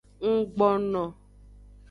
Nggbono.